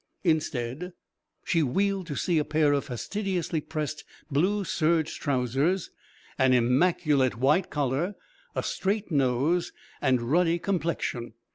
Instead, she wheeled to see a pair of fastidiously pressed blue serge trousers, an immaculate white collar, a straight nose and ruddy complexion.